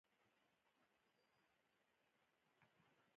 که په کلي کې څوک مړ و، که په ښار کې ځوانيمرګ شو.